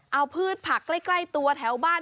เอาพืชผักใกล้ตัวแถวบ้าน